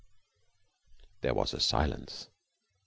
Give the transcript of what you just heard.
There was a silence.